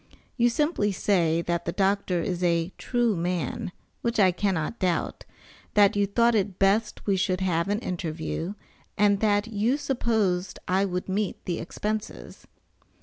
You simply say that the doctor is a true man, which I cannot doubt, that you thought it best we should have an interview, and that you supposed I would meet the expenses.